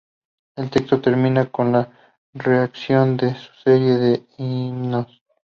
El texto termina con la recitación de una serie de himnos.